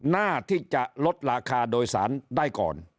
หน้าที่จะลดราคาโดยสารได้ก่อน